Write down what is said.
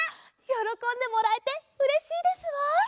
よろこんでもらえてうれしいですわ。